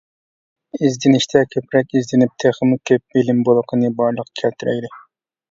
ئىزدىنىشتە كۆپرەك ئىزدىنىپ تېخىمۇ كۆپ بىلىم بۇلىقىنى بارلىققا كەلتۈرەيلى!